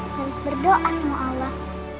harus berdoa sama allah